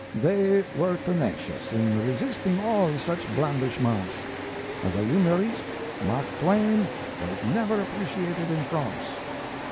They were tenacious in resisting all such blandishments .... As a humorist, Mark Twain was never appreciated in France.